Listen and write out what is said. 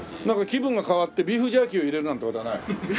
なんか気分が変わってビーフジャーキーを入れるなんて事はない？